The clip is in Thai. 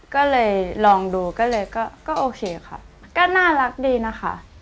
ก็เลยลองดูก็เลยก็โอเคค่ะก็น่ารักดีนะคะ